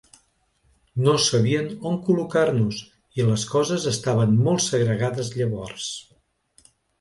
No sabien on col·locar-nos i les coses estaven molt segregades llavors.